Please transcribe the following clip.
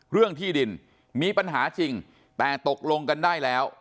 เรื่องที่ดินมีปัญหาจริงแต่ตกลงกันได้แล้ว